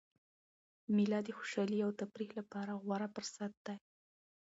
مېله د خوشحالۍ او تفریح له پاره غوره فرصت دئ.